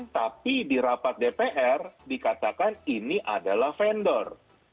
tapi di rapat dpr dikatakan ini adalah vendor